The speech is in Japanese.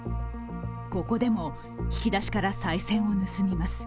ここでも引き出しから、さい銭を盗みます。